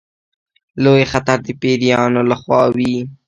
لوی خطر د پیرانو له خوا وي.